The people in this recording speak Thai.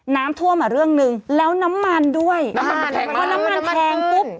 น้ำทั่วมาเรื่องหนึ่ง